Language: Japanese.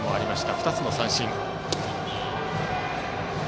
２つの三振。